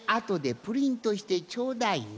それあとでプリントしてちょうだいね。